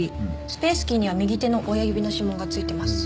スペースキーには右手の親指の指紋がついてます。